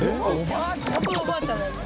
これおばあちゃんのやつ。